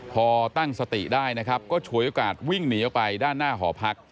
พอตั้งสติได้นะครับก็ฉวยโอกาสวิ่งหนีออกไปด้านหน้าหอพัก